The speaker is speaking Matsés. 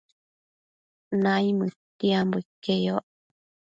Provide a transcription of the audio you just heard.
Naimëdtiambo iqueyoc